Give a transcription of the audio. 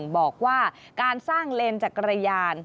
บอกว่าการสร้างเลนจักรยาน